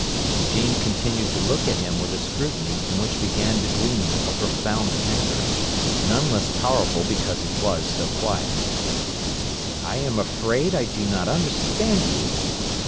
Eugene continued to look at him with a scrutiny in which began to gleam a profound anger, none less powerful because it was so quiet. "I am afraid I do not understand you."